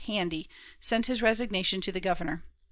Handy, sent his resignation to the Governor.